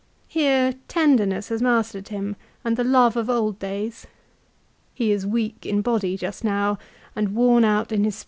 Here tenderness has mastered him and the love of old days. He is weak in body just now, and worn out in 1 Ad Att. lib.